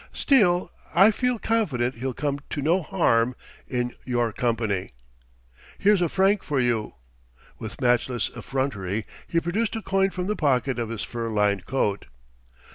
Still, I feel confident he'll come to no harm in your company. Here's a franc for you." With matchless effrontery, he produced a coin from the pocket of his fur lined coat.